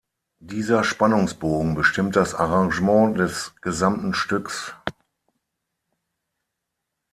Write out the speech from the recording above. Dieser Spannungsbogen bestimmt das Arrangement des gesamten Stücks.